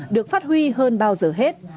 được phát huy hơn bao giờ hết